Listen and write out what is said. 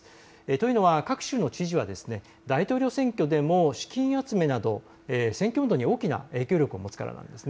というのは各州の知事は大統領選挙でも資金集めなど選挙運動に大きな影響力を持つからなんです。